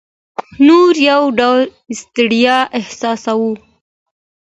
نو یو ډول ستړیا احساسوو.